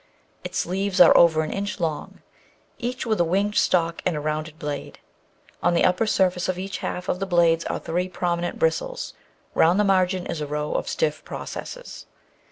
Its leaves are over an inch long, each with a winged stalk and a rounded blade. On the upper surface of each half of the blade are three prominent bristles ; round the margin is a row of stiff processes.